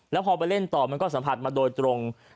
แล้วพอไปเล่นต่อมันก็สัมผัสมาโดยตรง